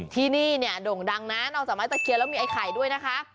ที่นี่เนี่ยโด่งดังนะนอกจากไม้ตะเคียนแล้วมีไอ้ไข่ด้วยนะคะ